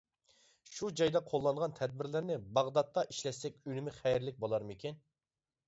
شۇ جايدا قوللانغان تەدبىرلەرنى باغدادتا ئىشلەتسەك ئۈنۈمى خەيرلىك بولارمىكىن.